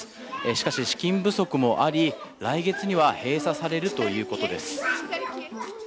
しかし、資金不足もあり来月には閉鎖されるということです。